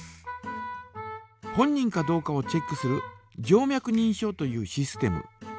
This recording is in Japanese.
本人かどうかをチェックする静脈にんしょうというシステム。